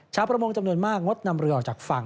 ชาวประมงจำนวนมากงดนำเรือออกจากฝั่ง